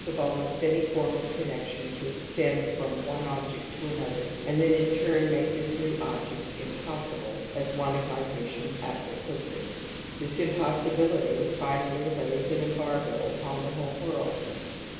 of almost any form of connection to extend from ^^^ one object to another and then in turn make this new 'Object ' impossible ', as one of my patients aptly puts it. / This impossibility finally lays an embargo upon the whole world.